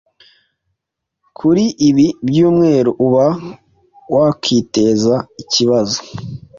kuri ibi byumweru uba wakwiteza ikibazo